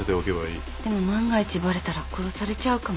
でも万が一バレたら殺されちゃうかも。